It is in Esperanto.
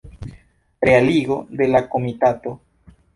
Realigo de la komitato.